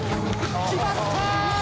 決まった！